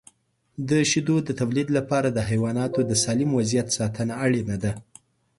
د شیدو د تولید لپاره د حیواناتو د سالم وضعیت ساتنه اړینه ده.